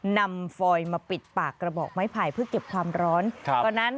นำฟอยมาปิดปากกระบอกไม้ไผ่เพื่อเก็บความร้อน